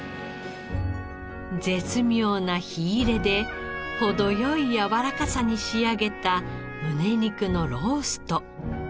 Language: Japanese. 絶妙な火入れで程良いやわらかさに仕上げたむね肉のロースト。